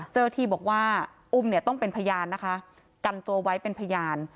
เจ้าหน้าที่บอกว่าอุ้มเนี่ยต้องเป็นพยานนะคะกันตัวไว้เป็นพยาน